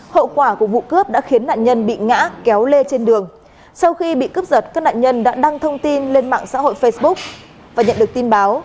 hậu quả của vụ cướp đã khiến nạn nhân bị ngã kéo lê trên đường sau khi bị cướp giật các nạn nhân đã đăng thông tin lên mạng xã hội facebook và nhận được tin báo